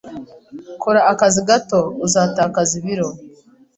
Kora akazi gato! Uzatakaza ibiro.